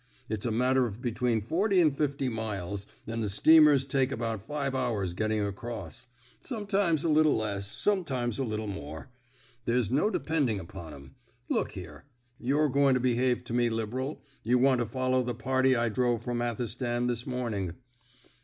It's a matter of between forty and fifty miles, and the steamers take about five hours getting across; sometimes a little less, generally a little more. There's no depending upon 'em. Look here. You're going to behave to me liberal. You want to follow the party I drove from Athelstan Road this morning."